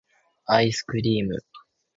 愛♡スクリ～ム!